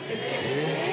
え！